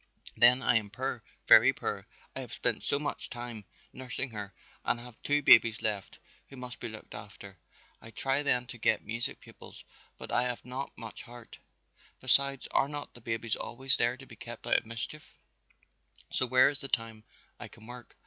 "Then I am poor, very poor; I haf spent so much time nursing her and I haf two babies left who must be looked after. I try then to get music pupils, but I haf not much heart, besides are not the babies always there to be kept out of mischief, so where is the time I can work?